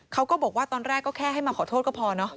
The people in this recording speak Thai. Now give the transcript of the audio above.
เขาก็บอกว่าตอนแรกก็แค่ให้มาขอโทษก็พอเนอะ